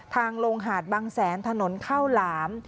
ทางลงหาดบางแสนถนนข้าวหลาม